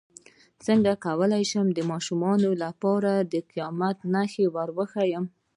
څنګه کولی شم د ماشومانو لپاره د قیامت نښې وښایم